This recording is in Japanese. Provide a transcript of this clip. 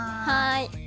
はい。